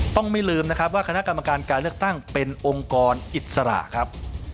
ไม่ลืมนะครับว่าคณะกรรมการการเลือกตั้งเป็นองค์กรอิสระครับ